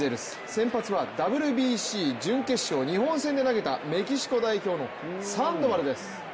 先発はＷＢＣ準決勝、日本戦で投げたメキシコ代表のサンドバルです。